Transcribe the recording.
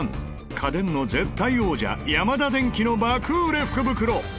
家電の絶対王者ヤマダデンキの爆売れ福袋